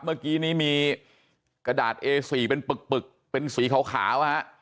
เมื่อกี้นี้มีกระดาษเอสีเป็นปึกเป็นสีขาว